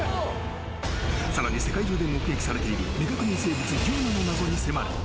更に世界中で目撃されている未確認生物・ＵＭＡの秘密に迫る。